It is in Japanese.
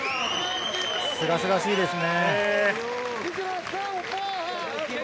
すがすがしいですね。